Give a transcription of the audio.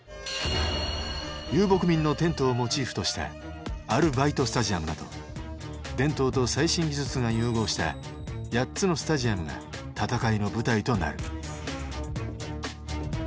遊牧民のテントをモチーフとしたアルバイトスタジアムなど伝統と最新技術が融合した８つのスタジアムが戦いの舞台となる。